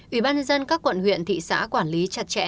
ủy ban nhân dân các quận huyện thị xã quản lý chặt chẽ